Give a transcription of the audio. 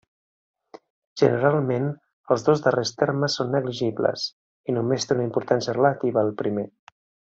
Generalment els dos darrers termes són negligibles i només té una importància relativa el primer.